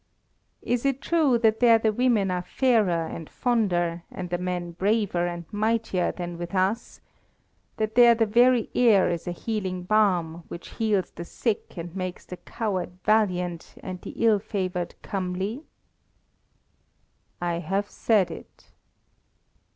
"Is it true that there the women are fairer and fonder, and the men braver and mightier than with us; that there the very air is a healing balm, which heals the sick and makes the coward valiant, and the ill favoured comely?" "I have said it."